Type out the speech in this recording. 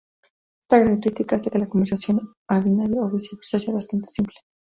Esta característica hace que la conversión a binario o viceversa sea bastante simple.